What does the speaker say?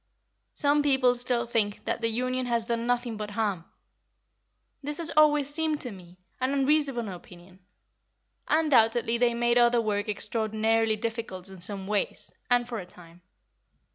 Some people still think that the Union has done nothing but harm. This has always seemed to me an unreasonable opinion. Undoubtedly they made other work extraordinarily difficult in some ways, and for a time.